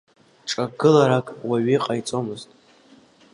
Ҿагыларак уаҩы иҟаиҵомызт.